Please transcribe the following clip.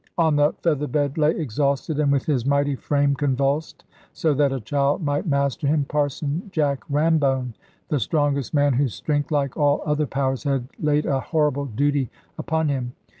On the feather bed lay exhausted, and with his mighty frame convulsed, so that a child might master him, Parson Jack Rambone, the strongest man, whose strength (like all other powers) had laid a horrible duty upon him.